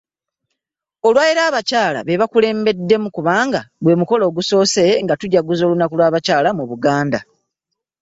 Olwaleero abakyala be bakulembeddemu kubanga gwe mukolo ogusoose nga tujaguza olunaku lw’abakyala mu Buganda.